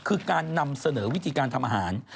คือการนำเสนอวิธีการทำอาหาร